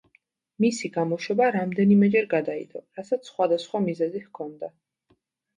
მისი გამოშვება რამდენიმეჯერ გადაიდო, რასაც სხვადასხვა მიზეზი ჰქონდა.